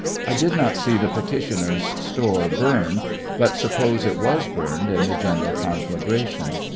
I did not see the peti tioner's store burned, but suppose it was burned ia the general conflagration.